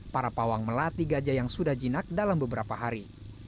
para pawang melatih gajah yang sudah jinak dalam beberapa hari